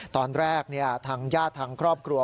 ตอนแรกทางญาติทางครอบครัว